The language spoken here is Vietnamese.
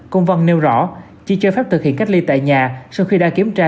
công văn nêu rõ chỉ cho phép thực hiện cách ly tại nhà sau khi đã kiểm tra